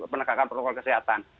menegakkan protokol kesehatan